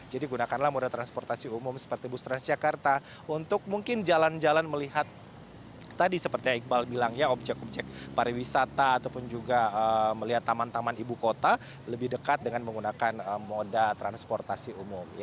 jadi gunakanlah moda transportasi umum seperti bus transjakarta untuk mungkin jalan jalan melihat tadi seperti iqbal bilang ya objek objek pariwisata ataupun juga melihat taman taman ibu kota lebih dekat dengan menggunakan moda transportasi umum